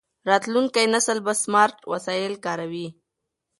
راتلونکی نسل به سمارټ وسایل کاروي.